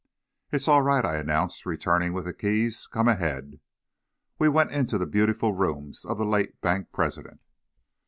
"It's all right," I announced, returning with the keys, "come ahead." We went into the beautiful rooms of the late bank president.